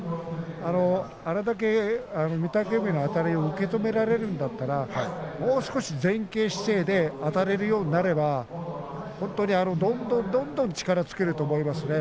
あれだけ御嶽海のあたりを受け止められるんだったらもう少し前傾姿勢であたれるようになれば本当に、どんどんどんどん力をつけると思いますね。